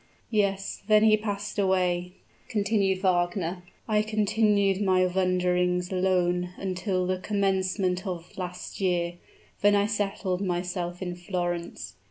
"Yes; when he passed away," continued Wagner, "I continued my wanderings alone until the commencement of last year, when I settled myself in Florence.